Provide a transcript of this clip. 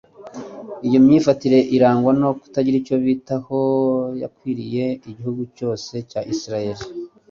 Iyo myifatire irangwa no kutagira icyo bitaho yakwiriye igihugu cyose cya Isiraheli